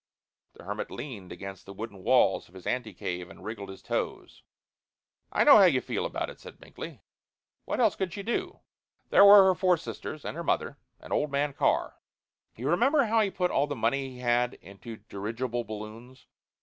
The hermit leaned against the wooden walls of his ante cave and wriggled his toes. "I know how you feel about it," said Binkley. "What else could she do? There were her four sisters and her mother and old man Carr you remember how he put all the money he had into dirigible balloons?